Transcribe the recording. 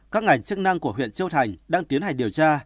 các ngành chức năng của huyện châu thành đang tiến hành điều tra